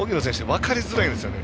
分かりづらいですよね。